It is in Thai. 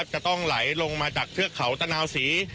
จะต้องไหลลงมาจากเทือกเขาตะนาวศรี